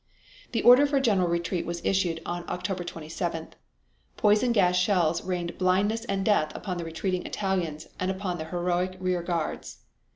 The order for a general retreat was issued on October 27th. Poison gas shells rained blindness and death upon the retreating Italians and upon the heroic rear guards.